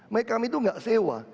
mereka itu gak sewa